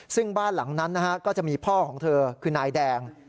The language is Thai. ซึ่งบ้านหลังนั้นนะฮะก็จะมีพ่อของเธอคือนายแดง